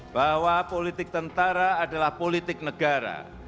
bahwa politik tentara adalah politik negara